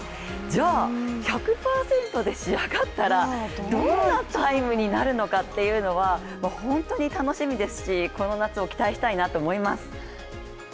じゃあ、１００％で仕上がったら、どんなタイムになるのかっていうのは本当に楽しみですしこの夏を期待したいなと思います。